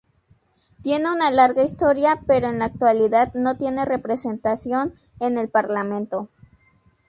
Tiene una larga historia, pero en la actualidad, no tiene representación en el Parlamento.